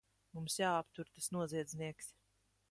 Mums jāaptur tas noziedznieks!